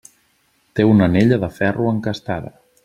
Té una anella de ferro encastada.